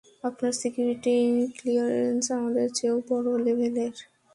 আপনার security clearance আমাদের চেয়েও বড় লেভেলের!